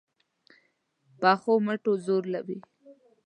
پخو مټو زور وي